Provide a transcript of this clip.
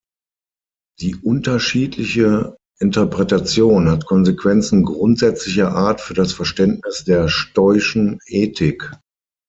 Die unterschiedliche Interpretation hat Konsequenzen grundsätzlicher Art für das Verständnis der stoischen Ethik.